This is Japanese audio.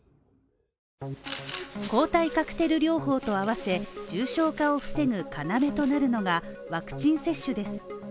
抗体カクテル療法とあわせ重症化を防ぐ要となるのがワクチン接種です